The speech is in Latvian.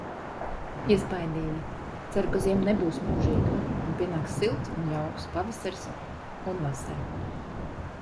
Iespaidīgi! Ceru, ka ziema nebūs mūžīga un pienaks silts un jauks pavasaris un vasara...